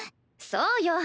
そうよ。